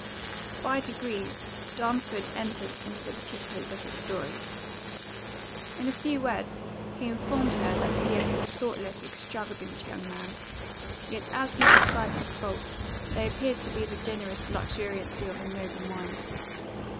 [By degrees, Darnford entered into the particulars of his story.] In a few words, he informed her that he had been a thoughtless, extravagant young man; yet, as he described his faults, they appeared to be the generous luxuriancy of a noble mind.